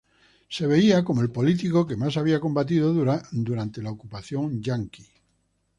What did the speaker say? Se veía como el político que más había combatido durante la Ocupación Estadounidense.